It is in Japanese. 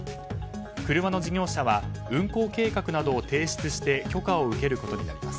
車の事業者は運行計画などを提出して許可を受けることになります。